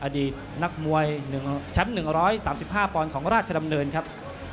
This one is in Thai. อดีตนักมวยแชมป์๑๓๕ปอนด์ของราชดำเนินครับ